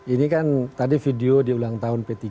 ini kan tadi video di ulang tahun p tiga